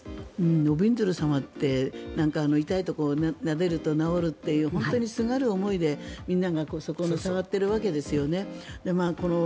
おびんずる様って痛いところをなでると治るという、本当にすがる思いでみんながそこに触っているわけですよね。